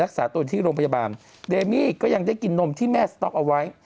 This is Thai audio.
รักษาตัวที่โรงพยาบาลเดมี่ก็ยังได้กินนมที่แม่สต๊อกเอาไว้